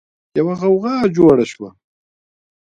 يوه غوغا جوړه شوه.